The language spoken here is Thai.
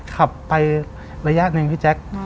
ขับไประยะหนึ่งพี่แจ๊ค